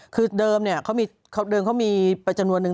คือเดิมเขามีปัจจนวนหนึ่ง